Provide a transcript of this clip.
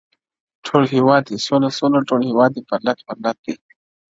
ټول هیواد دی سوله – سوله، ټول هیواد پرلت – پرلت دی~